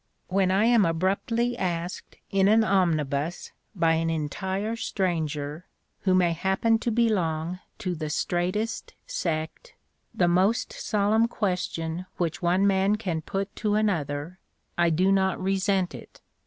When I am abruptly asked in an omnibus, by an entire stranger, who may happen to belong to the "straitest sect," the most solemn question which one man can put to another, I do not resent it.